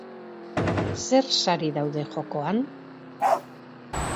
Zer sari daude jokoan?